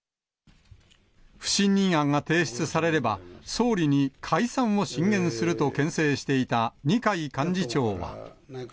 不信任案が提出されれば、総理に解散を進言するとけん制していた二階幹事長は。